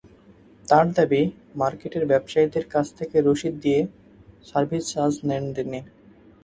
তাঁর দাবি, মার্কেটের ব্যবসায়ীদের কাছ থেকে রসিদ দিয়ে সার্ভিস চার্জ নেন তিনি।